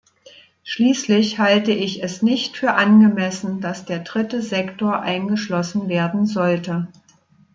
Schließlich halte ich es nicht für angemessen, dass der dritte Sektor eingeschlossen werden sollte.